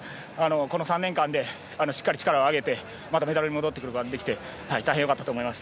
この３年間でしっかり力を上げてまたメダルに戻ってこれて大変よかったと思います。